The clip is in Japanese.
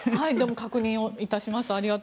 確認をいたします。